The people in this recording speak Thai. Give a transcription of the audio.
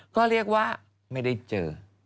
ก็เรียกว่าไม่ได้เจอ